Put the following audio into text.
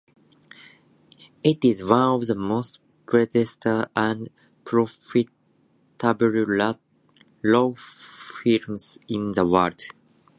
It is one of the most prestigious and profitable law firms in the world.